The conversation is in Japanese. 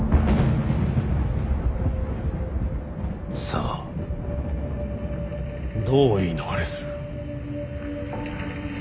さあどう言い逃れする。